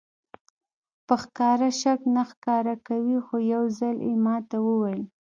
په ښکاره شک نه ښکاره کوي خو یو ځل یې ماته وویل.